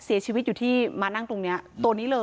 เสียชีวิตอยู่ที่มานั่งตรงนี้